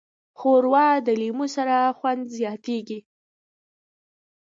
ښوروا د لیمو سره خوند زیاتیږي.